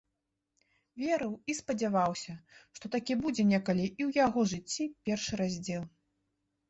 Верыў і спадзяваўся, што такі будзе некалі і ў яго жыцці першы раздзел.